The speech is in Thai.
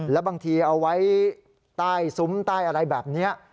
แล้วบางทีเอาไว้ใต้ซุ้มใต้อะไรแบบนี้